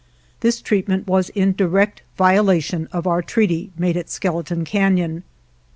This treatment was in direct violation of our treaty made at Skele ton Canon.